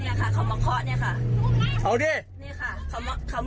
ในค่ะเขามะเคราะห์นี่ค่ะ